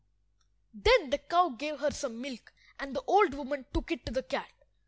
Then the cow gave her some milk, and the old woman took it to the cat.